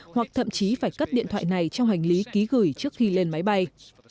hoặc thậm chí phải cắt điện thoại này trong hành lý ký gửi trước khi lên máy bay